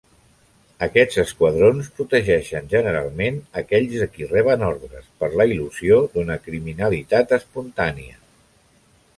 Aquests esquadrons protegeixen generalment aquells de qui reben ordres per la il·lusió d'una criminalitat espontània.